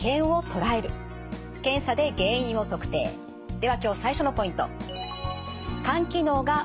では今日最初のポイント。